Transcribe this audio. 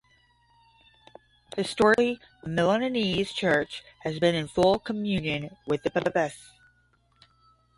Historically the Milanese church has been in full communion with the Papacy.